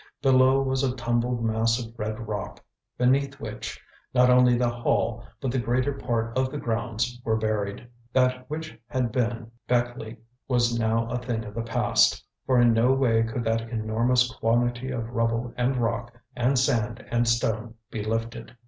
Below was a tumbled mass of red rock, beneath which, not only the Hall but the greater part of the grounds were buried. That which had been Beckleigh was now a thing of the past, for in no way could that enormous quantity of rubble and rock, and sand and stone, be lifted.